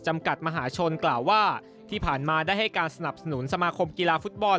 จำกัดมหาชนกล่าวว่าที่ผ่านมาได้ให้การสนับสนุนสมาคมกีฬาฟุตบอล